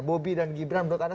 bobi dan gibran menurut anda